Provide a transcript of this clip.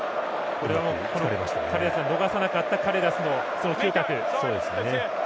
これは逃さなかったカレラスの嗅覚。